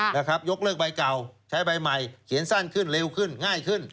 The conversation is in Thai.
ยกเลิกใบเก่าใช้ใบใหม่เขียนสั้นขึ้นเร็วขึ้นง่ายขึ้น